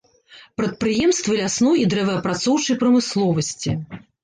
Прадпрыемствы лясной і дрэваапрацоўчай прамысловасці.